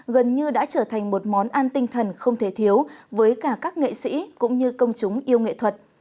gần như đã trở thành một món ăn tinh thần không thể thiếu với cả các nghệ sĩ cũng như công chúng yêu nghệ thuật